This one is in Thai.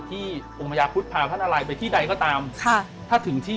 ที่มหโมยพุทธพาพระนารายย์ไปที่ใดก็ตามถ้าถึงที่